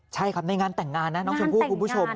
ใช่ครับในงานแต่งงานนะน้องชมพู่คุณผู้ชม